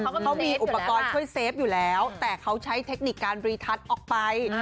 เขามีอุปกรณ์ช่วยเซฟอยู่แล้วแต่เขาใช้เทคนิคการรีทัศน์ออกไป